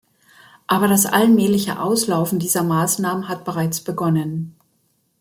Aber das allmähliche Auslaufen dieser Maßnahmen hat bereits begonnen.